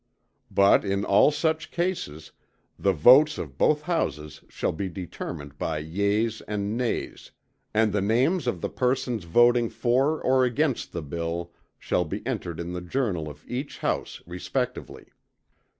But, in all such cases, the votes of both Houses shall be determined by Yeas and Nays; and the names of the persons voting for or against the bill shall be entered in the Journal of each House respectively.